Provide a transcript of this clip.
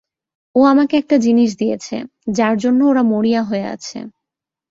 ও আমাকে একটা জিনিস দিয়েছে, যার জন্য ওরা মরিয়া হয়ে আছে।